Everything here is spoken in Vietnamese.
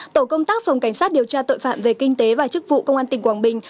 tổ công tác phòng cảnh sát điều tra tội phạm về kinh tế và chức vụ công an tỉnh quảng bình